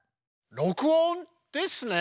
「録音」ですね！